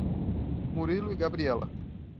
Murilo e Gabriela